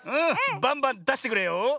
バンバンだしてくれよ。